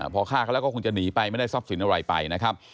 พอฆ่าเขาแล้วก็คงจะหนีไปไม่ได้ทรัพย์สินอะไรไปนะครับ